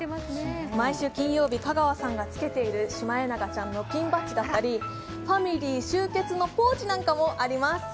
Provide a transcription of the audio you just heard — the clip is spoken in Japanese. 毎週金曜日、香川さんがつけているシマエナガちゃんのピンバッジだったりファミリー集結のポーチなんかもあります。